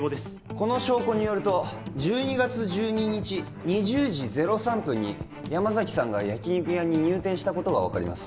この証拠によると１２月１２日２０時０３分に山崎さんが焼き肉屋に入店したことが分かります